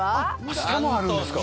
下もあるんですか？